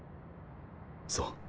そう。